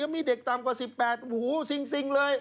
มีเด็กต่ำกว่า๑๘โอ้โหซิงเลย